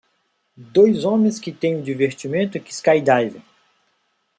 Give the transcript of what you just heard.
Dois homens que têm o divertimento que skydiving.